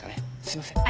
すいません。